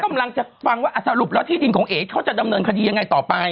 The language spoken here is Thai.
กำลังจะฟังว่าสรุปแล้วที่ดินของเอ๋เขาจะดำเนินคดียังไงต่อไป